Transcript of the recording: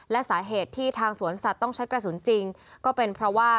และสาเหตุที่ทางสวนสัตว์ต้องใช้กระสุนจริงก็เป็นเพราะว่า